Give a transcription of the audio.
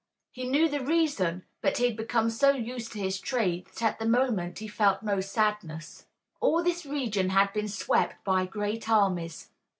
He knew the reason, but he had become so used to his trade that at the moment, he felt no sadness. All this region had been swept by great armies.